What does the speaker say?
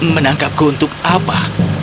menangkapku untuk apa